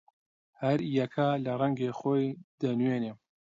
هەر یەکە لە ڕەنگێ خۆی دەنوێنێ